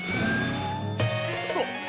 そう。